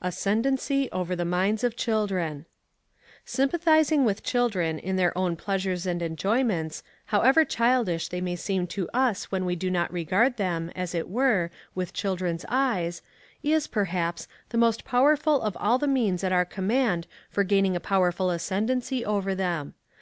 Ascendency over the Minds of Children. Sympathizing with children in their own pleasures and enjoyments, however childish they may seem to us when we do not regard them, as it were, with children's eyes, is, perhaps, the most powerful of all the means at our command for gaining a powerful ascendency over them.